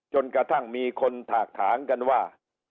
จนกระทั่งมีคนถากถางกันว่า